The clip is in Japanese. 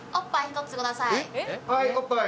はいおっぱい。